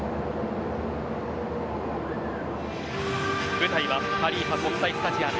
舞台はハリーファ国際スタジアム。